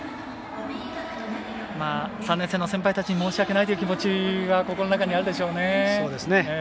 ３年生の先輩たちに申し訳ないという気持ちは心の中にあるでしょうね。